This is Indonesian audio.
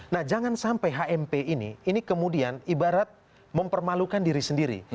nah jangan sampai hmp ini ini kemudian ibarat mempermalukan diri sendiri